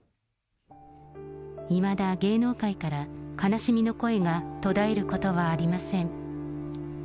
いまだ芸能界から、悲しみの声が途絶えることはありません。